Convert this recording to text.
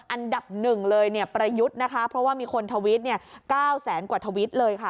อันดับหนึ่งเลยเนี่ยประยุทธ์นะคะเพราะว่ามีคนทวิต๙แสนกว่าทวิตเลยค่ะ